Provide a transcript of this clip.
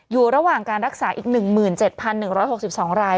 อยู่ระหว่างการรักษาอีก๑๗๑๖๒ราย